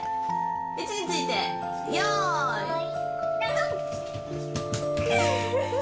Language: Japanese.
位置について、よーい、どん。